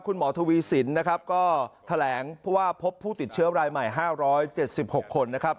คุณหมอทวีสินนะครับก็แถลงว่าพบผู้ติดเชื้อรายใหม่๕๗๖คน